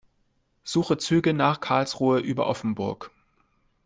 Suche Züge nach Karlsruhe über Offenburg.